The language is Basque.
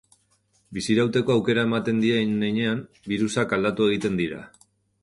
Bizirauteko aukera ematen dien heinean, birusak aldatu egiten dira.